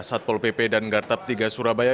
satpol pp dan gartab tiga surabaya